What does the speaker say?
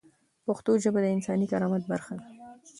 پښتو ژبه د انساني کرامت برخه ده.